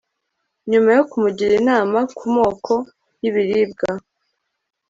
nyuma yo kumugira inama ku moko y'ibiribwa